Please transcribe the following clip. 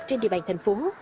trên địa bàn thành phố